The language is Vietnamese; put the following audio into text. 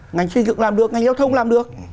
ngành xây dựng làm được ngành giao thông làm được